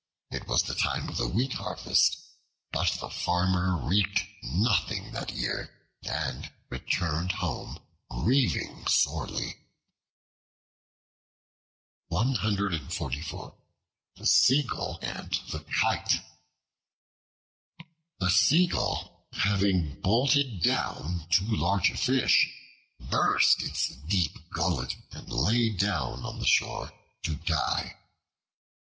It was the time of the wheat harvest; but the Farmer reaped nothing that year and returned home grieving sorely. The Seagull and the Kite A SEAGULL having bolted down too large a fish, burst its deep gullet bag and lay down on the shore to die.